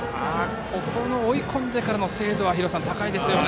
ここも追い込んでからの精度、高いですね。